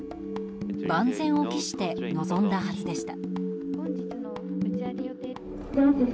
万全を期して臨んだはずでした。